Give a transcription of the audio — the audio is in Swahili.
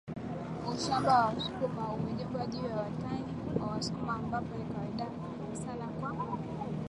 Ushamba wa msukuma umejengwa juu ya watani wa msukuma Ambapo ni kawaida sana kwa